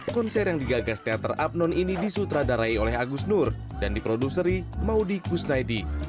konser yang digagas teater abnon ini disutradarai oleh agus nur dan diproduseri maudie kusnaidi